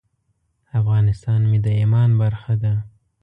افغانستان مې د ایمان برخه وه.